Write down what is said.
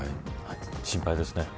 心配ですね。